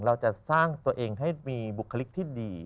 เราจะสร้างตัวเองให้มีบุคลิกที่ดี